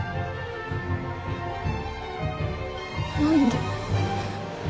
何で？